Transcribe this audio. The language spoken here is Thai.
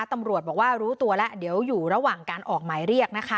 ตำรวจบอกว่ารู้ตัวแล้วเดี๋ยวอยู่ระหว่างการออกหมายเรียกนะคะ